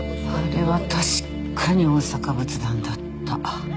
あれは確かに大阪仏壇だった。